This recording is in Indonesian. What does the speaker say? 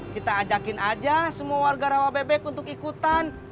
kita ajakin aja semua warga rawa bebek untuk ikutan